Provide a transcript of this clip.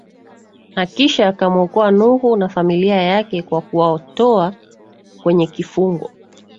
na kisha akamwokoa Nuhu na familia yake kwa kuwatoa Kwenye kifungo